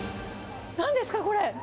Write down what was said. なんですか、これ。